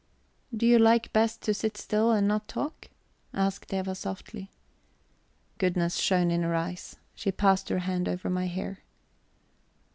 "Do you like best to sit still and not talk?" asked Eva softly. Goodness shone in her eyes; she passed her hand over my hair.